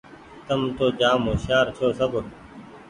تم تو جآم هوشيآر ڇوٚنٚ سب